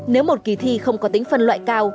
nếu một kỳ thi không có tính phân loại cao